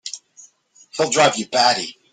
He'll drive you batty!